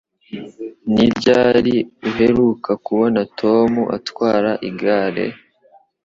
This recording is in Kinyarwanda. Ni ryari uheruka kubona Tom atwara igare?